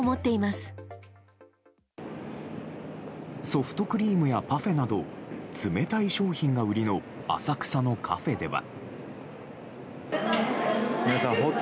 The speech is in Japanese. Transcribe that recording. ソフトクリームやパフェなど冷たい商品が売りの浅草のカフェでは。